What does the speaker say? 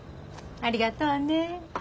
ありがとうねえ。